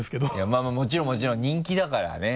まぁもちろんもちろん人気だからね。